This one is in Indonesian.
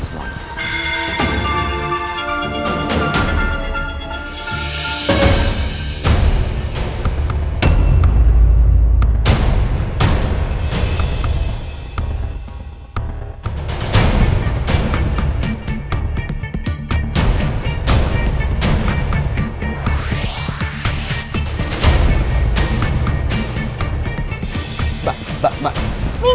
gue udah kephas melaman